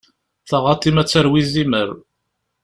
Taɣaṭ-im ad d-tarew izimer.